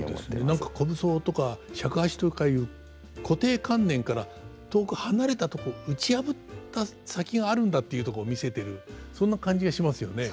何か虚無僧とか尺八とかいう固定観念から遠く離れたとこ打ち破った先があるんだっていうとこ見せてるそんな感じがしますよね。